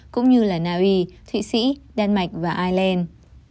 cũng như là naui thụy sĩ đan mạch và ireland